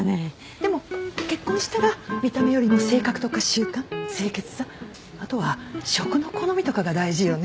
でも結婚したら見た目よりも性格とか習慣清潔さあとは食の好みとかが大事よね。